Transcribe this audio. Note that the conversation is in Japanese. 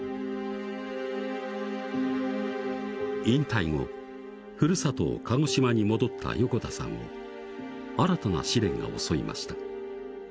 引退後ふるさと・鹿児島に戻った横田さんを新たな試練が襲いました